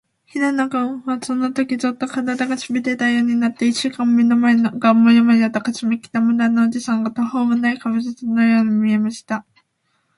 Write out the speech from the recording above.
平野君は、そのとき、ゾーッと、からだが、しびれたようになって、いっしゅんかん目の前がモヤモヤとかすみ、北村のおじさんが、とほうもない怪物のように見えました。